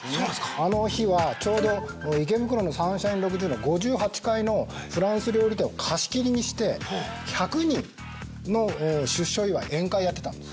あの日はちょうど池袋のサンシャイン６０の５８階のフランス料理店を貸し切りにして１００人の出所祝い宴会やってたんです。